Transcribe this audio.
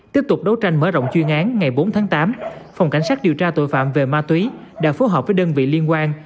tiếp tục đấu tranh mở rộng chuyên án ngày bốn tháng tám phòng cảnh sát điều tra tội phạm về ma túy đã phối hợp với đơn vị liên quan